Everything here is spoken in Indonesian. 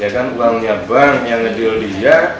ya kan uangnya bank yang ngedil dia